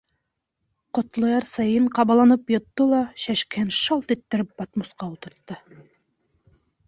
Ҡотлояр сәйен ҡабаланып йотто ла шәшкеһен шалт иттереп батмусҡа ултыртты.